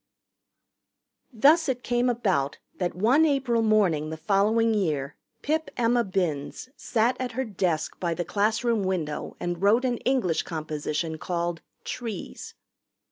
Thus it came about that one April morning the following year Pip Emma Binns sat at her desk by the classroom window and wrote an English composition called "Trees."